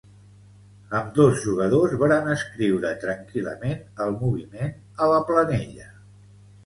Ambdós jugadors varen escriure tranquil·lament el moviment a la planella.